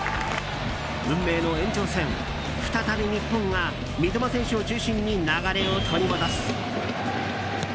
運命の延長戦、再び日本が三笘選手を中心に流れを取り戻す。